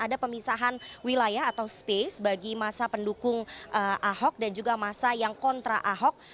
ada pemisahan wilayah atau space bagi masa pendukung ahok dan juga masa yang kontra ahok